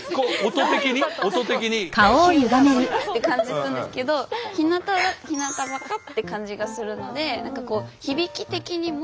音的に？って感じするんですけど「ひなたざか」って感じがするので何かこう響き的にも。